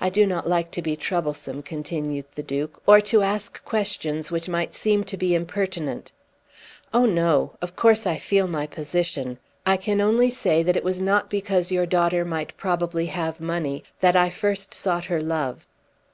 "I do not like to be troublesome," continued the Duke, "or to ask questions which might seem to be impertinent." "Oh no! Of course I feel my position. I can only say that it was not because your daughter might probably have money that I first sought her love."